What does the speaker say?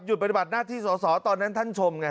ปฏิบัติหน้าที่สอสอตอนนั้นท่านชมไง